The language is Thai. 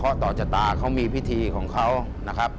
ข้อต่อจตาเขามีพิธีของเขานะครับ